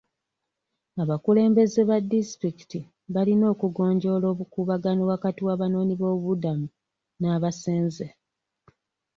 Abakulembeze ba disitulikiti balina okugonjoola obukuubagano wakati w'abanoonyiboobubudamu n'ababasenza.